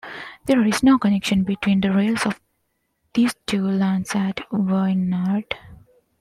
There is no connection between the rails of these two lines at Wynyard.